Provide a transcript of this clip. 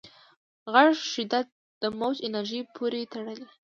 د غږ شدت د موج انرژۍ پورې تړلی.